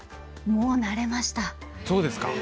もう慣れました。